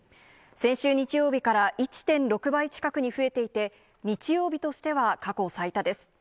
先週日曜日から１．６倍近くに増えていて、日曜日としては過去最多です。